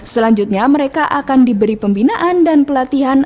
selanjutnya mereka akan diberi pembinaan dan pelatihan